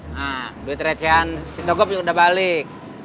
nah duit recehan sintokop juga udah balik